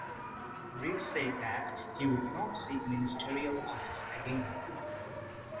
Reed said that he would not seek Ministerial Office again.